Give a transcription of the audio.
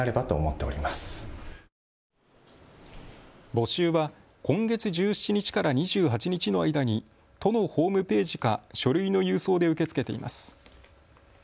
募集は今月１７日から２８日の間に都のホームページか書類の郵送で受け付けています。